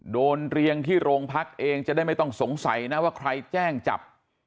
เรียงที่โรงพักเองจะได้ไม่ต้องสงสัยนะว่าใครแจ้งจับ